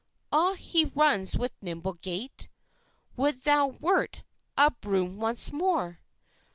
Ah, he runs with nimble gait! Would thou wert a broom once more!